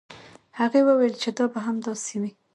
هغې وویل چې دا به هم داسې وي.